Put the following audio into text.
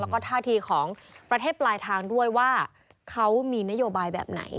แล้วก็ท่าทีของประเทศปลายทางด้วยว่าเขามีนโยบายแบบไหน